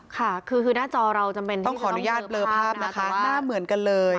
ค่ะคือหน้าจอเราจำเป็นต้องขออนุญาตเบลอภาพนะคะหน้าเหมือนกันเลย